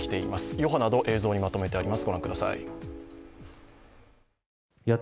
余波など、映像にまとめています。